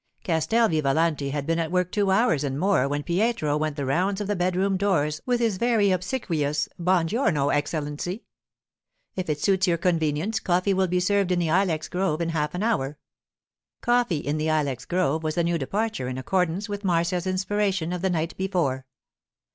Castel Vivalanti had been at work two hours and more when Pietro went the rounds of the bedroom doors with his very obsequious, 'Buon giorno, Excellency; if it suits your convenience, coffee will be served in the ilex grove in half an hour.' Coffee in the ilex grove was a new departure in accordance with Marcia's inspiration of the night before.